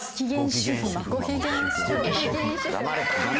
黙れ！